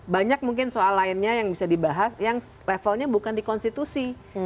banyak mungkin soal lainnya yang bisa dibahas yang levelnya bukan di konstitusi